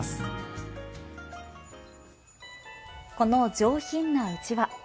この上品なうちわ。